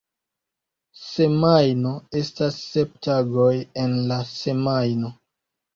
Semajno: estas sep tagoj en la semajno.